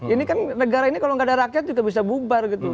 ini kan negara ini kalau nggak ada rakyat juga bisa bubar gitu